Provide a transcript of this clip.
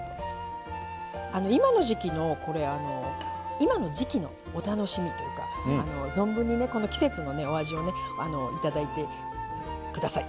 今の時季のこれあの今の時季のお楽しみというか存分にねこの季節のお味をね頂いてください。